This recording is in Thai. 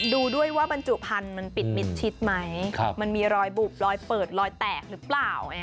ดูด้วยว่าบรรจุพันธุ์มันปิดมิดชิดไหมมันมีรอยบุบลอยเปิดรอยแตกหรือเปล่า